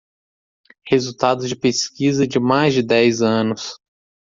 Resultados de pesquisa de mais de dez anos